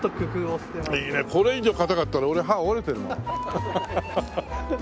これ以上硬かったら俺歯折れてるもん。